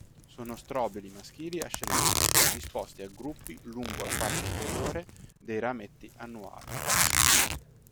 Sono strobili maschili ascellari, disposti a gruppi lungo la parte inferiore dei rametti annuali.